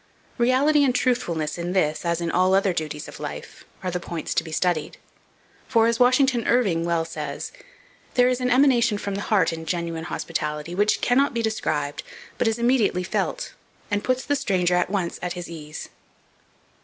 Reality and truthfulness in this, as in all other duties of life, are the points to be studied; for, as Washington Irving well says, "There is an emanation from the heart in genuine hospitality, which cannot be described, but is immediately felt, and puts the stranger at once at his ease."